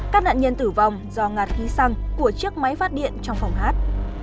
các nạn nhân tử vong do ngạt khí xăng của chiếc máy phát điện trong phòng hát